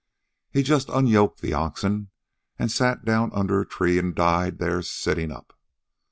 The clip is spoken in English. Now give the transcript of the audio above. He just unyoked the oxen, an' sat down under a tree, an' died there sitting up.